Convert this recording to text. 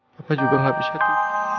papa juga gak bisa tidur